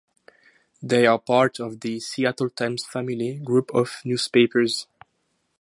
They are part of the Seattle Times Family group of newspapers.